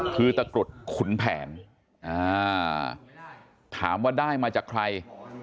คือตะกรุดขุนแผนถามว่าได้มาจากใคร